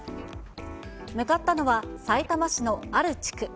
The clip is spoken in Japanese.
向かったのはさいたま市のある地区。